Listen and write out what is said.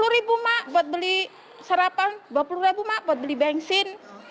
sepuluh ribu emak buat beli sarapan dua puluh ribu emak buat beli bensin